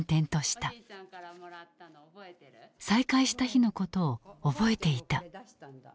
再会した日のことを覚えていた。